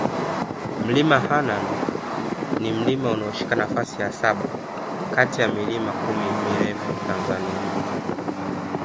Mlima Hanang ni mlima unaoshika nafasi ya saba kati ya milima kumi mirefu Tanzania